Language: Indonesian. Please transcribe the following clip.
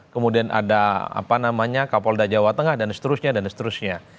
kemudian ada kapolda jawa tengah dan seterusnya dan seterusnya